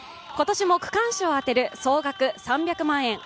今年も区間賞を当てる総額３００万円